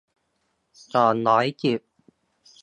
สองร้อยสิบ